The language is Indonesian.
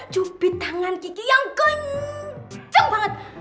jubit tangan kiki yang kenceng banget